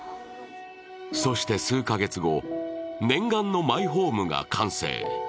そして数か月後、念願のマイホームが完成。